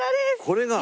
これが？